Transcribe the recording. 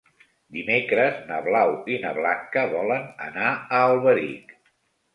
Dimecres na Blau i na Blanca volen anar a Alberic.